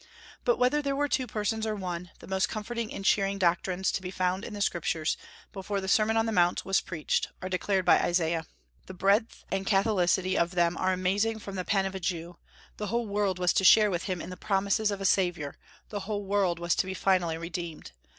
But whether there were two persons or one, the most comforting and cheering doctrines to be found in the Scriptures, before the Sermon on the Mount was preached, are declared by Isaiah. The breadth and catholicity of them are amazing from the pen of a Jew. The whole world was to share with him in the promises of a Saviour; the whole world was to be finally redeemed.